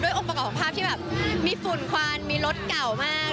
องค์ประกอบของภาพที่แบบมีฝุ่นควันมีรถเก่ามาก